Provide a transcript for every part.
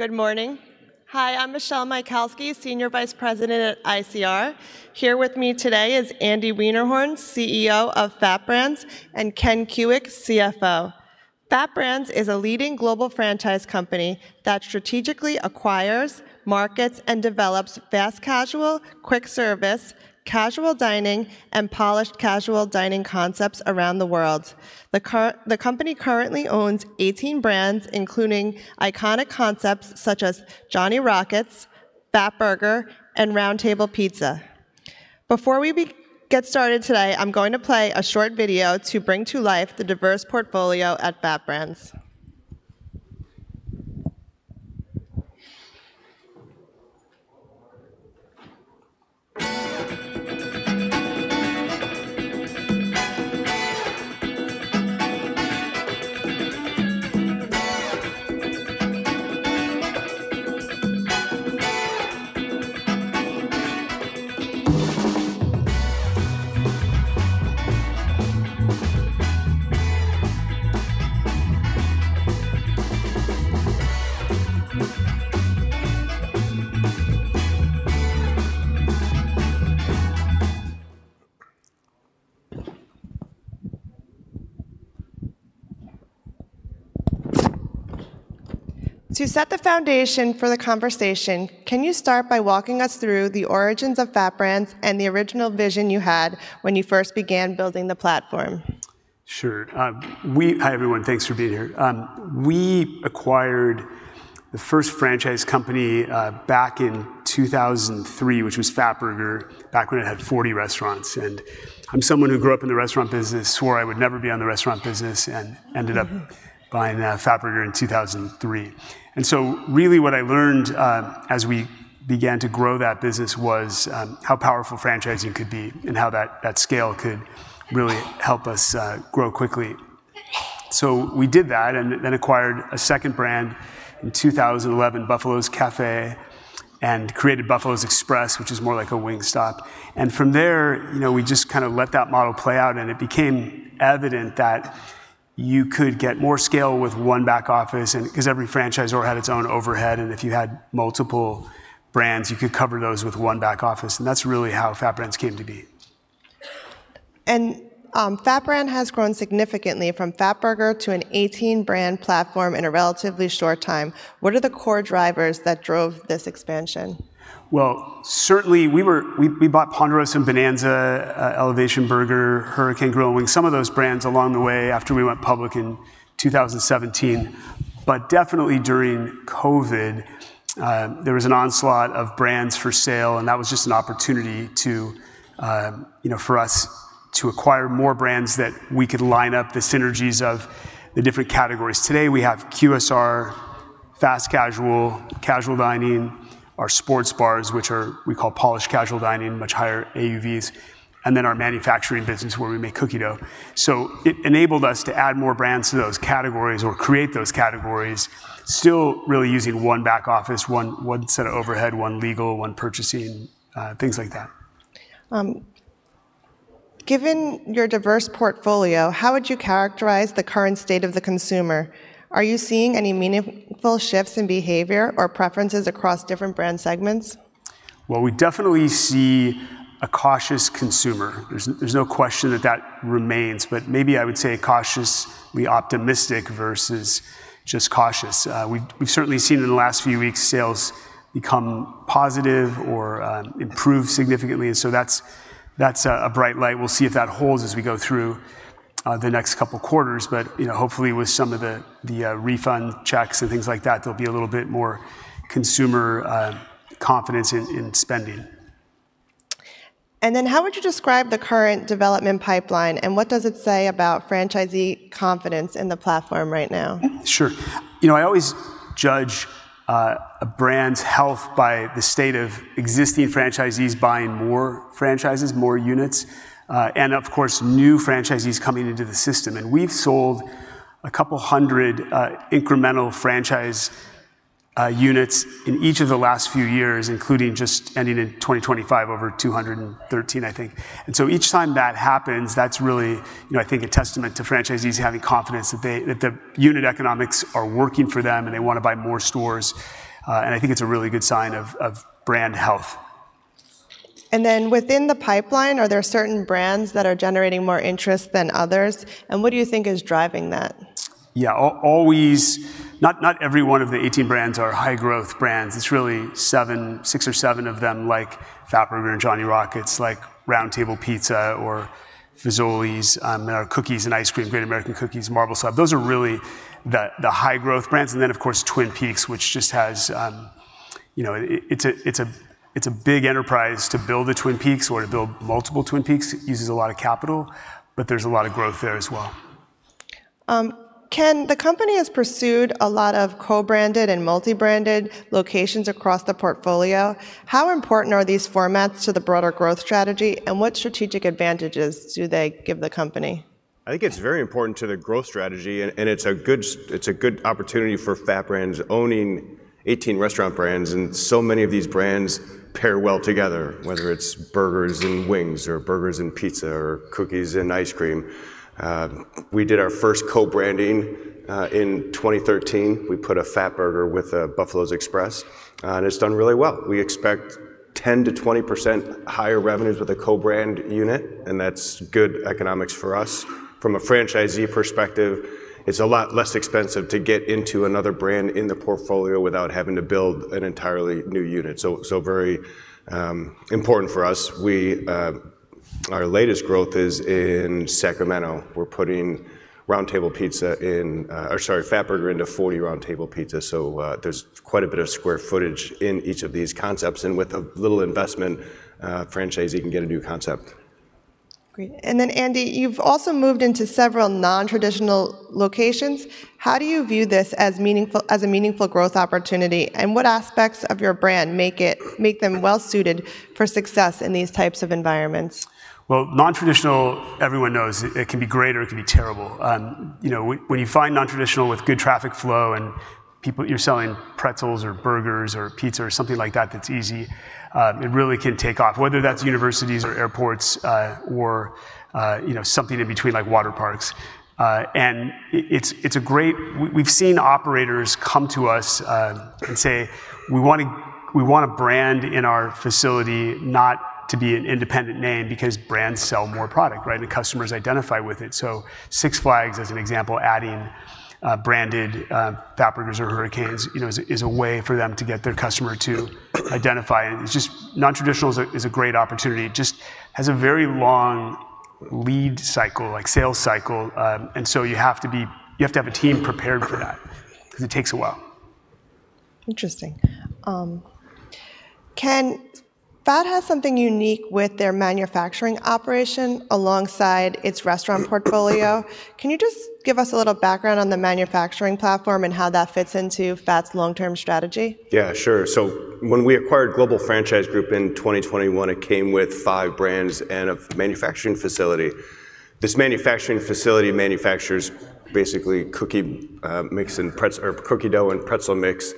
Good morning. Hi, I'm Michelle Michalski, Senior Vice President at ICR. Here with me today is Andy Wiederhorn, CEO of FAT Brands, and Ken Kuick, CFO. FAT Brands is a leading global franchise company that strategically acquires, markets, and develops fast casual, quick service, casual dining, and polished casual dining concepts around the world. The company currently owns 18 brands, including iconic concepts such as Johnny Rockets, Fatburger, and Round Table Pizza. Before we get started today, I'm going to play a short video to bring to life the diverse portfolio at FAT Brands. To set the foundation for the conversation, can you start by walking us through the origins of FAT Brands and the original vision you had when you first began building the platform? Sure. Hi, everyone. Thanks for being here. We acquired the first franchise company back in 2003, which was Fatburger, back when it had 40 restaurants. And I'm someone who grew up in the restaurant business, swore I would never be in the restaurant business, and ended up buying Fatburger in 2003. And so really what I learned as we began to grow that business was how powerful franchising could be and how that scale could really help us grow quickly. So we did that and then acquired a second brand in 2011, Buffalo's Cafe, and created Buffalo's Express, which is more like a Wingstop. And from there, we just kind of let that model play out. And it became evident that you could get more scale with one back office, because every franchisor had its own overhead. And if you had multiple brands, you could cover those with one back office. And that's really how FAT Brands came to be. FAT Brands has grown significantly from Fatburger to an 18-brand platform in a relatively short time. What are the core drivers that drove this expansion? Certainly we bought Ponderosa & Bonanza, Elevation Burger, Hurricane Grill & Wings, some of those brands along the way after we went public in 2017. Definitely during COVID, there was an onslaught of brands for sale. That was just an opportunity for us to acquire more brands that we could line up the synergies of the different categories. Today we have QSR, fast casual, casual dining, our sports bars, which we call polished casual dining, much higher AUVs, and then our manufacturing business where we make cookie dough. It enabled us to add more brands to those categories or create those categories, still really using one back office, one set of overhead, one legal, one purchasing, things like that. Given your diverse portfolio, how would you characterize the current state of the consumer? Are you seeing any meaningful shifts in behavior or preferences across different brand segments? Well, we definitely see a cautious consumer. There's no question that that remains. But maybe I would say cautiously optimistic versus just cautious. We've certainly seen in the last few weeks sales become positive or improved significantly. And so that's a bright light. We'll see if that holds as we go through the next couple of quarters. But hopefully with some of the refund checks and things like that, there'll be a little bit more consumer confidence in spending. Then how would you describe the current development pipeline? What does it say about franchisee confidence in the platform right now? Sure. I always judge a brand's health by the state of existing franchisees buying more franchises, more units, and of course, new franchisees coming into the system. And we've sold a couple hundred incremental franchise units in each of the last few years, including just ending in 2025, over 213, I think. And so each time that happens, that's really, I think, a testament to franchisees having confidence that the unit economics are working for them and they want to buy more stores. And I think it's a really good sign of brand health. And then within the pipeline, are there certain brands that are generating more interest than others? And what do you think is driving that? Yeah, not every one of the 18 brands are high-growth brands. It's really six or seven of them like Fatburger and Johnny Rockets, like Round Table Pizza or Fazoli's, and our cookies and ice cream, Great American Cookies, Marble Slab. Those are really the high-growth brands. Then, of course, Twin Peaks, which just has. It's a big enterprise to build a Twin Peaks or to build multiple Twin Peaks. It uses a lot of capital. But there's a lot of growth there as well. Ken, the company has pursued a lot of co-branded and multi-branded locations across the portfolio. How important are these formats to the broader growth strategy? And what strategic advantages do they give the company? I think it's very important to the growth strategy, and it's a good opportunity for FAT Brands owning 18 restaurant brands, and so many of these brands pair well together, whether it's burgers and wings or burgers and pizza or cookies and ice cream. We did our first co-branding in 2013. We put a Fatburger with a Buffalo's Express, and it's done really well. We expect 10%-20% higher revenues with a co-brand unit, and that's good economics for us. From a franchisee perspective, it's a lot less expensive to get into another brand in the portfolio without having to build an entirely new unit, so very important for us. Our latest growth is in Sacramento. We're putting Round Table Pizza in or sorry, Fatburger into 40 Round Table Pizza, so there's quite a bit of square footage in each of these concepts. With a little investment, a franchisee can get a new concept. Great. And then, Andy, you've also moved into several non-traditional locations. How do you view this as a meaningful growth opportunity? And what aspects of your brand make them well-suited for success in these types of environments? Non-traditional, everyone knows it can be great or it can be terrible. When you find non-traditional with good traffic flow and you're selling pretzels or burgers or pizza or something like that that's easy, it really can take off, whether that's universities or airports or something in between like water parks. It's great. We've seen operators come to us and say, we want a brand in our facility not to be an independent name, because brands sell more product, right? The customers identify with it. Six Flags, as an example, adding branded Fatburgers or Hurricanes is a way for them to get their customer to identify. Non-traditional is a great opportunity. It just has a very long lead cycle, like sales cycle. You have to have a team prepared for that, because it takes a while. Interesting. Ken, FAT has something unique with their manufacturing operation alongside its restaurant portfolio. Can you just give us a little background on the manufacturing platform and how that fits into FAT's long-term strategy? Yeah, sure. So when we acquired Global Franchise Group in 2021, it came with five brands and a manufacturing facility. This manufacturing facility manufactures basically cookie mix and or cookie dough and pretzel mix,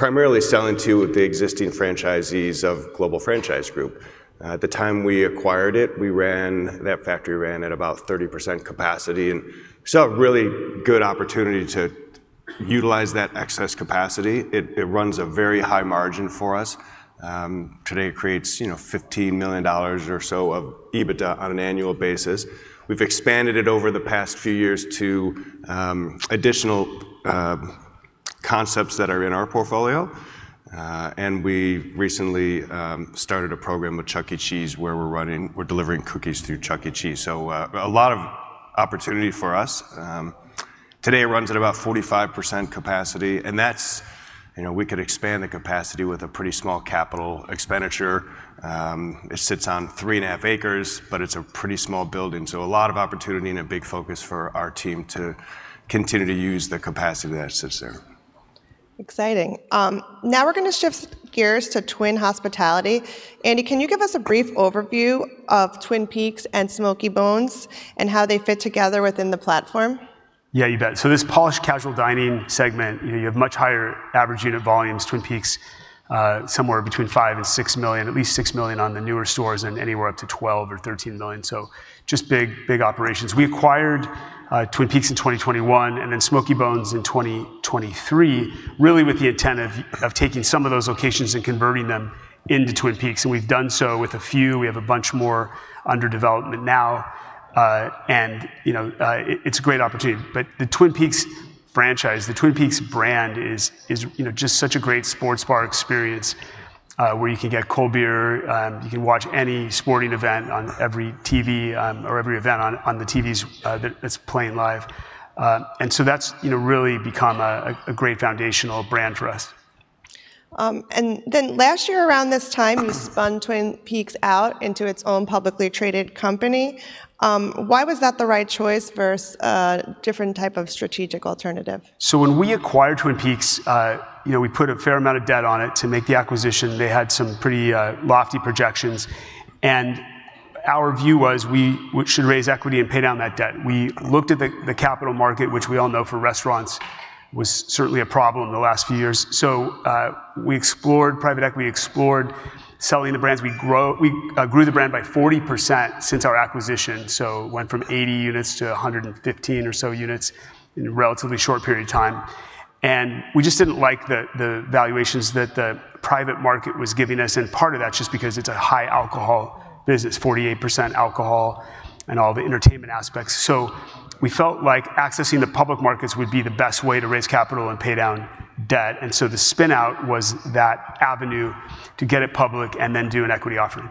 primarily selling to the existing franchisees of Global Franchise Group. At the time we acquired it, that factory ran at about 30% capacity. And we saw a really good opportunity to utilize that excess capacity. It runs a very high margin for us. Today it creates $15 million or so of EBITDA on an annual basis. We've expanded it over the past few years to additional concepts that are in our portfolio. And we recently started a program with Chuck E. Cheese where we're delivering cookies through Chuck E. Cheese. So a lot of opportunity for us. Today it runs at about 45% capacity. And we could expand the capacity with a pretty small capital expenditure. It sits on 3.5 acres, but it's a pretty small building. So a lot of opportunity and a big focus for our team to continue to use the capacity that sits there. Exciting. Now we're going to shift gears to Twin Hospitality. Andy, can you give us a brief overview of Twin Peaks and Smokey Bones and how they fit together within the platform? Yeah, you bet, so this polished casual dining segment, you have much higher average unit volumes. Twin Peaks, somewhere between five and six million, at least six million on the newer stores and anywhere up to 12 or 13 million, so just big operations. We acquired Twin Peaks in 2021 and then Smokey Bones in 2023, really with the intent of taking some of those locations and converting them into Twin Peaks, and we've done so with a few. We have a bunch more under development now, and it's a great opportunity, but the Twin Peaks franchise, the Twin Peaks brand is just such a great sports bar experience where you can get cold beer. You can watch any sporting event on every TV or every event on the TVs that's playing live, and so that's really become a great foundational brand for us. And then last year around this time, you spun Twin Peaks out into its own publicly traded company. Why was that the right choice versus a different type of strategic alternative? When we acquired Twin Peaks, we put a fair amount of debt on it to make the acquisition. They had some pretty lofty projections. Our view was we should raise equity and pay down that debt. We looked at the capital market, which we all know for restaurants was certainly a problem in the last few years. We explored private equity, explored selling the brands. We grew the brand by 40% since our acquisition. It went from 80 units to 115 or so units in a relatively short period of time. We just didn't like the valuations that the private market was giving us. Part of that's just because it's a high alcohol business, 48% alcohol and all the entertainment aspects. We felt like accessing the public markets would be the best way to raise capital and pay down debt. And so the spinout was that avenue to get it public and then do an equity offering.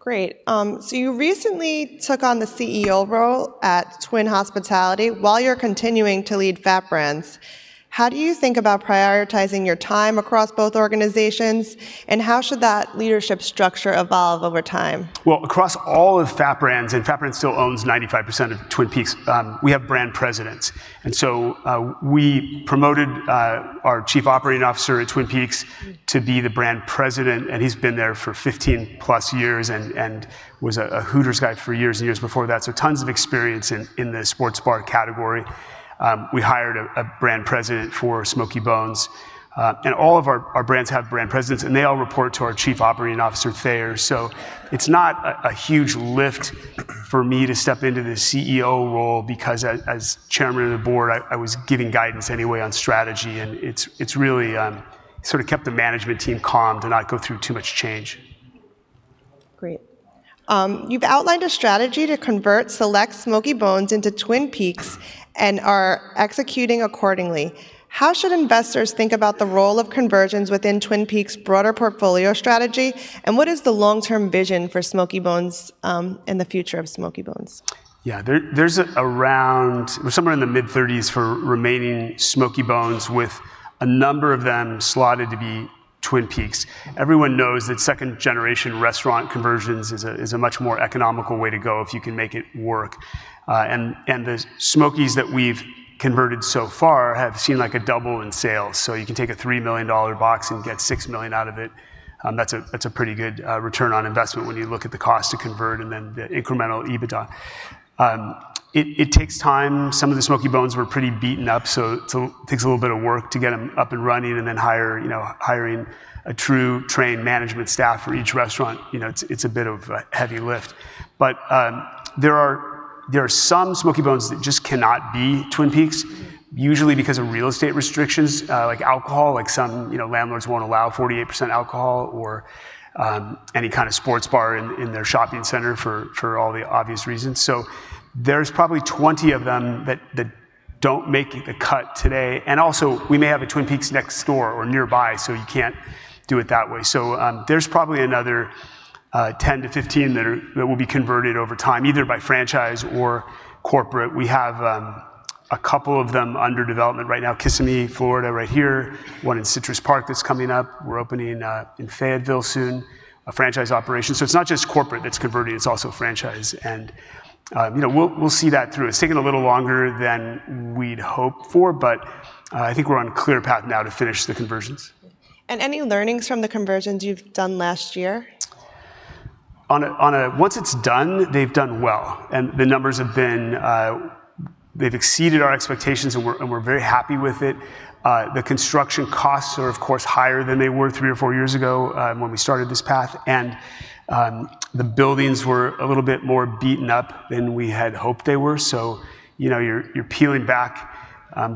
Great. So you recently took on the CEO role at Twin Hospitality while you're continuing to lead FAT Brands. How do you think about prioritizing your time across both organizations? And how should that leadership structure evolve over time? Across all of FAT Brands, and FAT Brands still owns 95% of Twin Peaks, we have brand presidents. And so we promoted our Chief Operating Officer at Twin Peaks to be the brand president. And he's been there for 15+ years and was a Hooters guy for years and years before that. So tons of experience in the sports bar category. We hired a brand president for Smokey Bones. And all of our brands have brand presidents. And they all report to our Chief Operating Officer, Thayer. So it's not a huge lift for me to step into the CEO role, because as Chairman of the Board, I was giving guidance anyway on strategy. And it's really sort of kept the management team calm to not go through too much change. Great. You've outlined a strategy to convert select Smokey Bones into Twin Peaks and are executing accordingly. How should investors think about the role of conversions within Twin Peaks' broader portfolio strategy? And what is the long-term vision for Smokey Bones and the future of Smokey Bones? Yeah, there's around somewhere in the mid-30s for remaining Smokey Bones, with a number of them slotted to be Twin Peaks. Everyone knows that second-generation restaurant conversions is a much more economical way to go if you can make it work. And the Smokies that we've converted so far have seen like a double in sales. So you can take a $3 million box and get $6 million out of it. That's a pretty good return on investment when you look at the cost to convert and then the incremental EBITDA. It takes time. Some of the Smokey Bones were pretty beaten up. So it takes a little bit of work to get them up and running. And then hiring a true trained management staff for each restaurant, it's a bit of a heavy lift. But there are some Smokey Bones that just cannot be Twin Peaks, usually because of real estate restrictions like alcohol. Like some landlords won't allow 48% alcohol or any kind of sports bar in their shopping center for all the obvious reasons. So there's probably 20 of them that don't make the cut today. And also, we may have a Twin Peaks next door or nearby, so you can't do it that way. So there's probably another 10-15 that will be converted over time, either by franchise or corporate. We have a couple of them under development right now, Kissimmee, Florida, right here. One in Citrus Park that's coming up. We're opening in Fayetteville soon, a franchise operation. So it's not just corporate that's converting. It's also franchise. And we'll see that through. It's taken a little longer than we'd hoped for. But I think we're on a clear path now to finish the conversions. Any learnings from the conversions you've done last year? Once it's done, they've done well. And the numbers have been. They've exceeded our expectations, and we're very happy with it. The construction costs are, of course, higher than they were three or four years ago when we started this path. And the buildings were a little bit more beaten up than we had hoped they were. So you're peeling back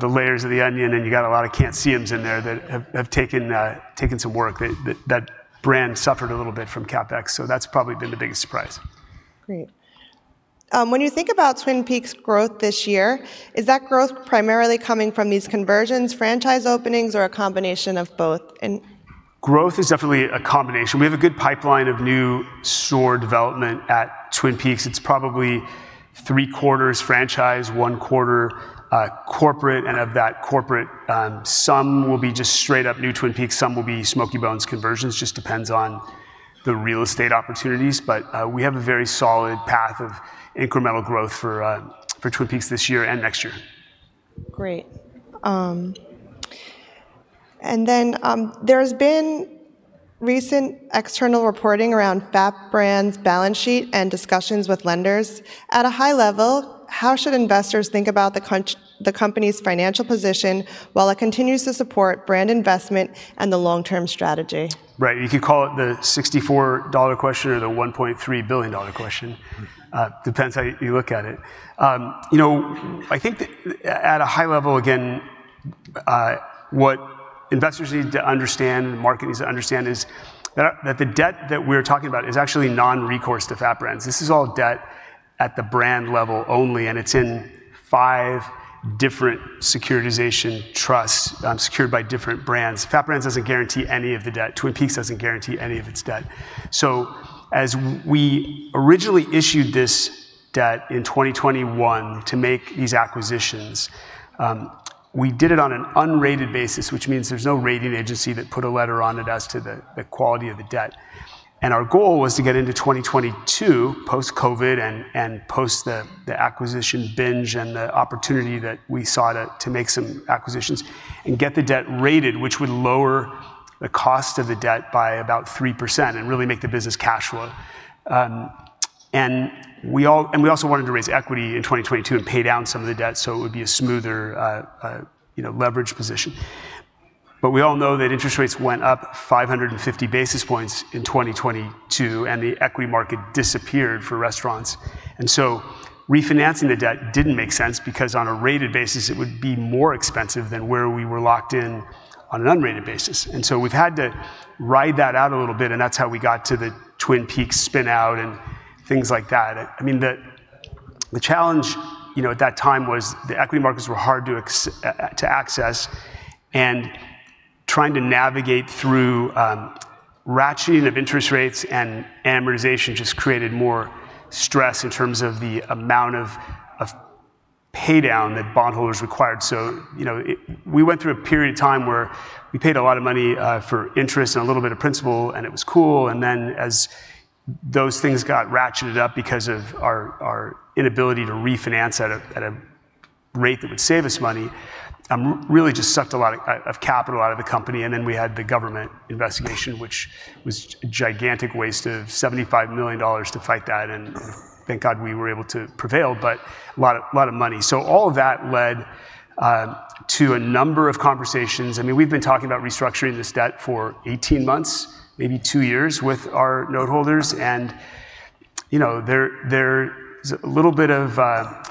the layers of the onion, and you've got a lot of can't-see-ems in there that have taken some work. That brand suffered a little bit from CapEx. So that's probably been the biggest surprise. Great. When you think about Twin Peaks' growth this year, is that growth primarily coming from these conversions, franchise openings, or a combination of both? Growth is definitely a combination. We have a good pipeline of new store development at Twin Peaks. It's probably three quarters franchise, one quarter corporate, and of that corporate, some will be just straight up new Twin Peaks. Some will be Smokey Bones conversions. It just depends on the real estate opportunities, but we have a very solid path of incremental growth for Twin Peaks this year and next year. Great, and then there has been recent external reporting around FAT Brands' balance sheet and discussions with lenders. At a high level, how should investors think about the company's financial position while it continues to support brand investment and the long-term strategy? Right. You could call it the $64 question or the $1.3 billion question. Depends how you look at it. I think at a high level, again, what investors need to understand, market needs to understand, is that the debt that we're talking about is actually non-recourse to FAT Brands. This is all debt at the brand level only. And it's in five different securitization trusts secured by different brands. FAT Brands doesn't guarantee any of the debt. Twin Peaks doesn't guarantee any of its debt. So as we originally issued this debt in 2021 to make these acquisitions, we did it on an unrated basis, which means there's no rating agency that put a letter on it as to the quality of the debt. And our goal was to get into 2022, post-COVID and post the acquisition binge and the opportunity that we saw to make some acquisitions and get the debt rated, which would lower the cost of the debt by about 3% and really make the business cash flow. And we also wanted to raise equity in 2022 and pay down some of the debt so it would be a smoother leverage position. But we all know that interest rates went up 550 basis points in 2022, and the equity market disappeared for restaurants. And so refinancing the debt didn't make sense, because on a rated basis, it would be more expensive than where we were locked in on an unrated basis. And so we've had to ride that out a little bit. And that's how we got to the Twin Peaks spinout and things like that. I mean, the challenge at that time was the equity markets were hard to access, and trying to navigate through ratcheting of interest rates and amortization just created more stress in terms of the amount of paydown that bondholders required, so we went through a period of time where we paid a lot of money for interest and a little bit of principal, and it was cruel, and then as those things got ratcheted up because of our inability to refinance at a rate that would save us money, it really just sucked a lot of capital out of the company, and then we had the government investigation, which was a gigantic waste of $75 million to fight that, and thank God we were able to prevail, but a lot of money, so all of that led to a number of conversations. I mean, we've been talking about restructuring this debt for 18 months, maybe two years with our noteholders, and there's a little bit of,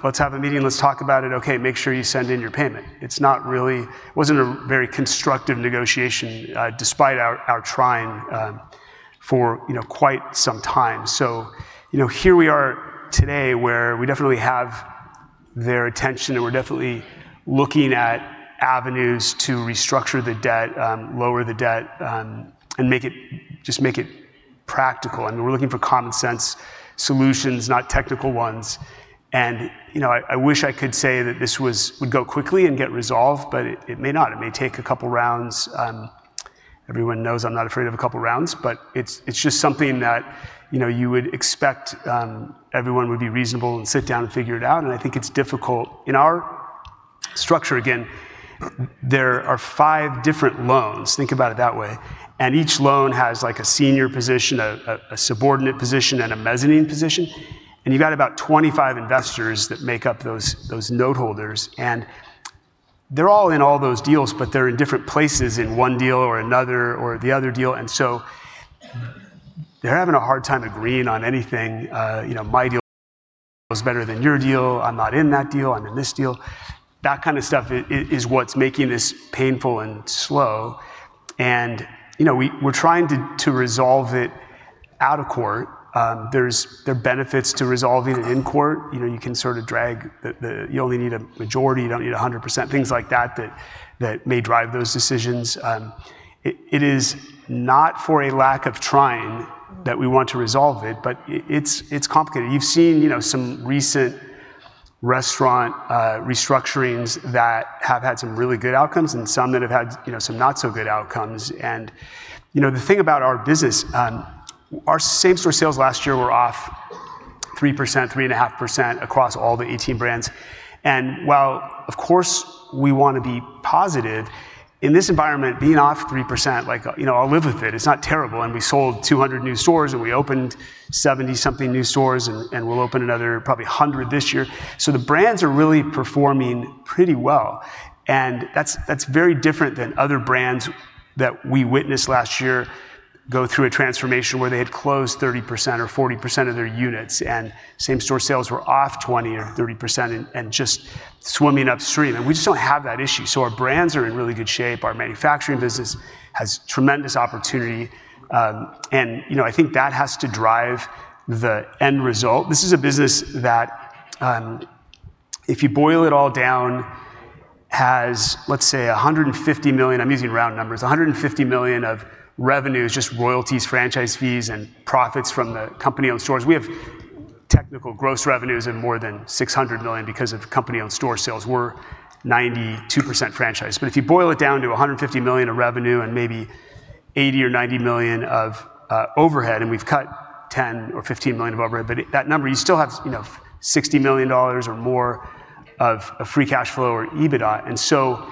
let's have a meeting. Let's talk about it. Okay, make sure you send in your payment. It wasn't a very constructive negotiation despite our trying for quite some time, so here we are today where we definitely have their attention, and we're definitely looking at avenues to restructure the debt, lower the debt, and just make it practical, and we're looking for common sense solutions, not technical ones, and I wish I could say that this would go quickly and get resolved, but it may not. It may take a couple of rounds. Everyone knows I'm not afraid of a couple of rounds, but it's just something that you would expect everyone would be reasonable and sit down and figure it out. I think it's difficult. In our structure, again, there are five different loans. Think about it that way. Each loan has like a senior position, a subordinate position, and a mezzanine position. You've got about 25 investors that make up those noteholders. They're all in all those deals, but they're in different places in one deal or another or the other deal. They're having a hard time agreeing on anything. My deal is better than your deal. I'm not in that deal. I'm in this deal. That kind of stuff is what's making this painful and slow. We're trying to resolve it out of court. There are benefits to resolving it in court. You can sort of drag it. You only need a majority. You don't need 100%, things like that that may drive those decisions. It is not for a lack of trying that we want to resolve it, but it's complicated. You've seen some recent restaurant restructurings that have had some really good outcomes and some that have had some not so good outcomes, and the thing about our business, our same-store sales last year were off 3%, 3.5% across all the 18 brands. While, of course, we want to be positive, in this environment, being off 3%, I'll live with it. It's not terrible, and we sold 200 new stores, and we opened 70-something new stores, and we'll open another probably 100 this year, so the brands are really performing pretty well, and that's very different than other brands that we witnessed last year go through a transformation where they had closed 30% or 40% of their units, and same-store sales were off 20% or 30% and just swimming upstream. We just don't have that issue. Our brands are in really good shape. Our manufacturing business has tremendous opportunity. I think that has to drive the end result. This is a business that, if you boil it all down, has, let's say, $150 million, I'm using round numbers, $150 million of revenues, just royalties, franchise fees, and profits from the company-owned stores. We have technical gross revenues of more than $600 million because of company-owned store sales. We're 92% franchise. If you boil it down to $150 million of revenue and maybe $80 million or $90 million of overhead, and we've cut $10 million or $15 million of overhead, but that number, you still have $60 million or more of free cash flow or EBITDA.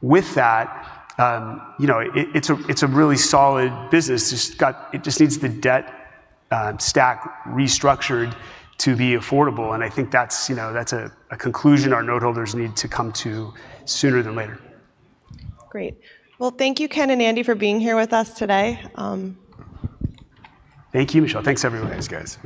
With that, it's a really solid business. It just needs the debt stack restructured to be affordable. I think that's a conclusion our noteholders need to come to sooner than later. Great. Well, thank you, Ken and Andy, for being here with us today. Thank you, Michelle. Thanks, everyone. Thanks, guys.